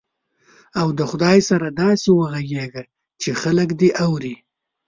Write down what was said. او د خدای سره داسې وغږېږه چې خلک دې اوري.